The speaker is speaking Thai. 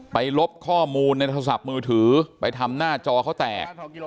ลบข้อมูลในโทรศัพท์มือถือไปทำหน้าจอเขาแตก